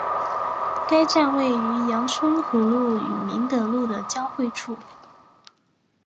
该站位于杨春湖路与明德路的交汇处。